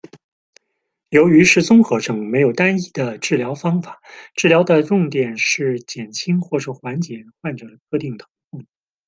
由于是综合症，没有单一的治疗方法，治疗的的重点是减轻或是缓解患者的特定疼痛。